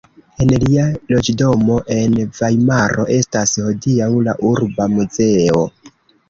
En lia loĝdomo en Vajmaro estas hodiaŭ la Urba muzeo.